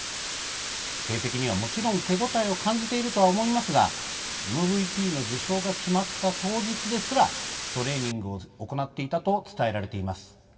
成績には、もちろん手応えを感じているとは思いますがＭＶＰの受賞が決まった当日ですらトレーニングを行っていたと伝えられています。